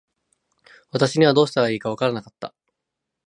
私にはどうしていいか分らなかった。